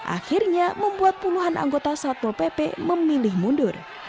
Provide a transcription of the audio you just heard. akhirnya membuat puluhan anggota satpol pp memilih mundur